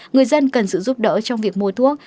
người dân cần sự giúp đỡ trong việc mua thuốc